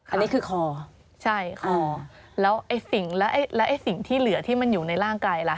อันนี้คือคอคอใช่แล้วไอ้สิ่งที่เหลือที่มันอยู่ในร่างกายล่ะ